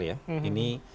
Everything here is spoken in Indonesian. ini kalau menurutku